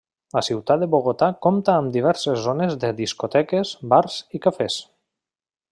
La ciutat de Bogotà compta amb diverses zones de discoteques, bars i cafès.